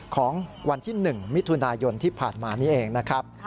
ของวันที่๑มิถุนายนที่ผ่านมานี้เองนะครับ